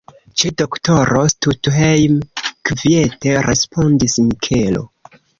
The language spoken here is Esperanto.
Ĉe doktoro Stuthejm, kviete respondis Mikelo.